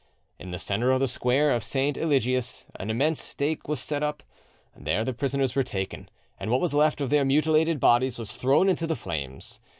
In the centre of the square of Saint Eligius an immense stake was set up: there the prisoners were taken, and what was left of their mutilated bodies was thrown into the flames.